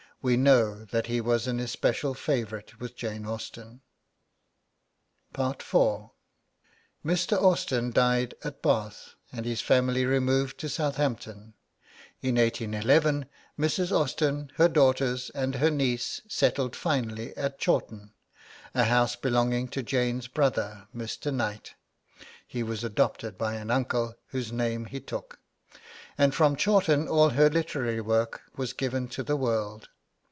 We know that he was an especial favourite with Jane Austen. IV. Mr. Austen died at Bath, and his family removed to Southampton. In 1811, Mrs. Austen, her daughters, and her niece, settled finally at Chawton, a house belonging to Jane's brother, Mr. Knight (he was adopted by an uncle, whose name he took), and from Chawton all her literary work was given to the world.